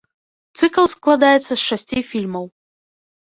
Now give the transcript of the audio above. Цыкл складаецца з шасці фільмаў.